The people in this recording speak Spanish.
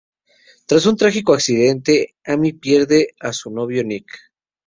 Tras un trágico accidente, Amy pierde a su novio Nick.